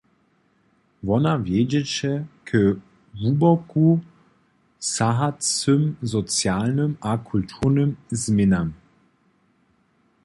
Wona wjedźeše k hłuboko sahacym socialnym a kulturnym změnam.